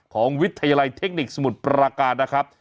วิทยาลัยเทคนิคสมุทรปราการนะครับ